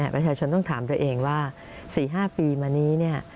ประชาชนต้องถามตัวเองว่า๔๕ปีมานี้